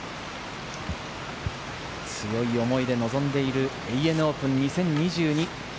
強い思いで臨んでいるＡＮＡオープン２０２２。